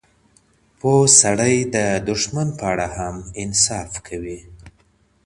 پوه سړی د دښمن په اړه هم انصاف کوي.